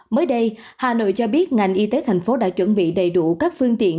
mới đây hà nội cho biết ngành y tế thành phố đã chuẩn bị đầy đủ các phương tiện